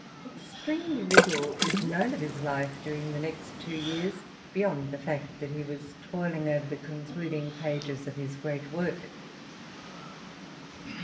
Extremely little is known of his life during the next two years beyond the fact that he was toiling over the concluding pages of his great work.